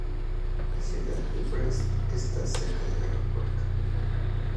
La ciudad de Brest está cerca del aeropuerto.